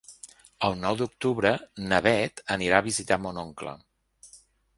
El nou d'octubre na Beth anirà a visitar mon oncle.